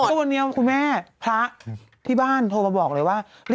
เพราะวันเดียวคุณแม่พระที่บ้านโทรมาบอกเลยว่า